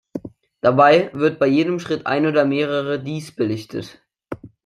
Dabei wird bei jedem Schritt ein oder mehrere Dies belichtet.